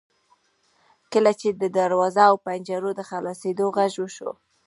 کله چې د دروازو او پنجرو د خلاصیدو غږ وشو.